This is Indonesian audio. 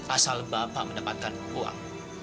asal bapak mendapatkan uang